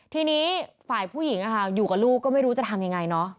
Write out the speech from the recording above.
ทีนี้ฝ่ายผู้หญิงอยู่กับลูกก็ไม่รู้จะทำยังไงเนอะ